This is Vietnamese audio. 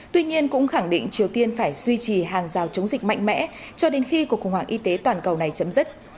tuy nhiên cũng khẳng định triều tiên phải duy trì hàng rào chống dịch mạnh mẽ cho đến khi cuộc khủng hoảng y tế toàn cầu này chấm dứt